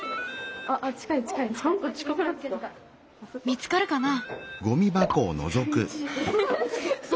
見つかるかな？